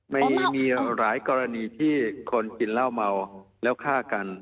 มีหลายกรณีที่คนกินเหล้าเมาแล้วฆ่ากัน